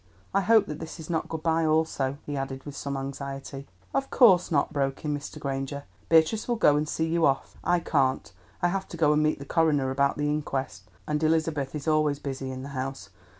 I hope that this is not good bye also," he added with some anxiety. "Of course not," broke in Mr. Granger. "Beatrice will go and see you off. I can't; I have to go and meet the coroner about the inquest, and Elizabeth is always busy in the house.